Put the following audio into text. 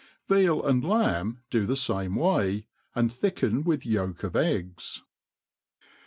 Veal artd aiid lamb do the fame way^ and thicken with yoik of eggs.